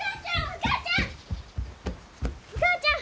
お母ちゃん